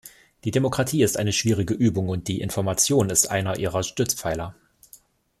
Die Demokratie ist eine schwierige Übung, und die Information ist einer ihrer Stützpfeiler.